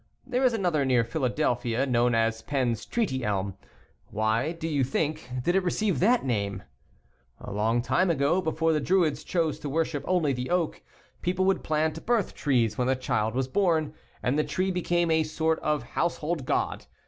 There is another near Philadelphia, known as " Penn's Treaty Elm." Why, do you think, did it receive that name ? A long time ago, before the Druids chose to worship only the oak, people would plant "birth trees " when a child was born, and the tree became a sort of household god.